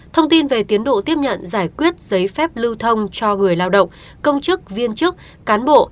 thông tin về tiến độ tiếp nhận giải quyết giấy phép lưu thông cho người lao động công chức viên chức cán bộ